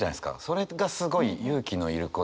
それがすごい勇気のいること。